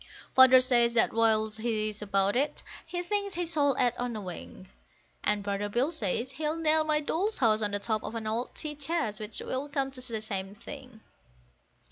Father says that whilst he is about it, he thinks he shall add on a wing; And brother Bill says he'll nail my Doll's House on the top of an old tea chest, which will come to the same thing.